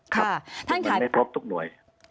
ครับไม่ครบทุกหน่วย